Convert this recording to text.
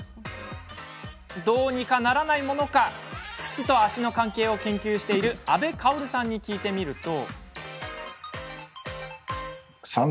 どうにかならないものか靴と足の関係を研究している阿部薫さんに聞いてみますと。